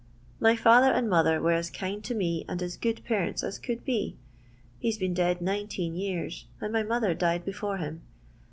My father and mother were as kind to me and as good parents as could be. He's been dead nineteen years, and my mother died before him.